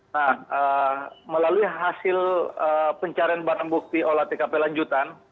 nah melalui hasil pencarian barang bukti olah tkp lanjutan